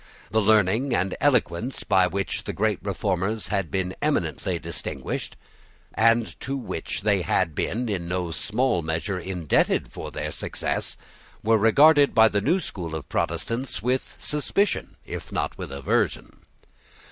The learning and eloquence by which the great Reformers had been eminently distinguished, and to which they had been, in no small measure, indebted for their success, were regarded by the new school of Protestants with suspicion, if not with aversion.